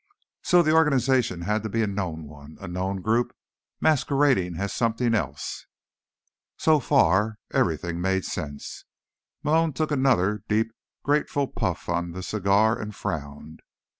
So the organization had to be a known one, a known group, masquerading as something else. So far, everything made sense. Malone took another deep, grateful puff on the cigar, and frowned.